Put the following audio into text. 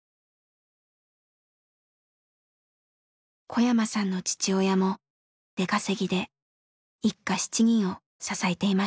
小山さんの父親も出稼ぎで一家７人を支えていました。